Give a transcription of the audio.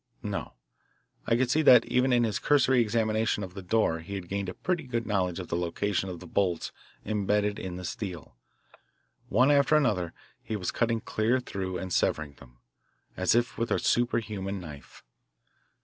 No, I could see that even in his cursory examination of the door he had gained a pretty good knowledge of the location of the bolts imbedded in the steel. One after another he was cutting clear through and severing them, as if with a superhuman knife.